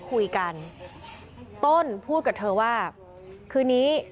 พวกมันต้องกินกันพี่